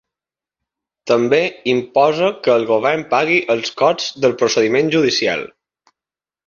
També imposa que el govern pagui els costs del procediment judicial.